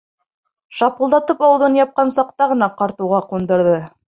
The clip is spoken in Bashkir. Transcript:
Шапылдатып ауыҙын япҡан саҡта ғына ҡарт уға ҡундырҙы.